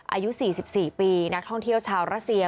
อายุ๔๔ปีนักท่องเที่ยวชาวรัสเซีย